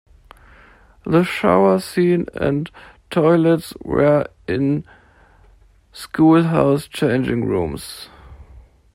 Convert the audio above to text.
The shower scene and toilets were in School House changing rooms.